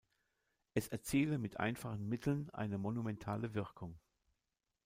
Es erziele «mit einfachen Mitteln eine monumentale Wirkung».